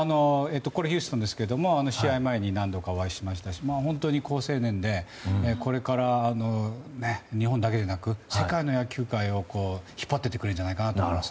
ヒューストンですけど試合前に何度かお会いしましたし本当に好青年でこれからの日本だけでなく世界の野球界を引っ張っていってくれるんじゃないかと思います。